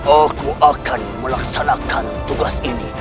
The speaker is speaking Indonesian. aku akan melaksanakan tugas ini